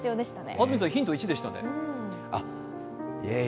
安住さんヒント１でしたね。